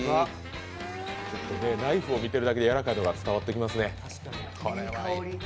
ナイフを見てるだけでやわらかいのが伝わってきますね。